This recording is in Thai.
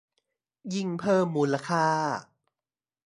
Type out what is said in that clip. ยิ่งเพิ่มมูลค่า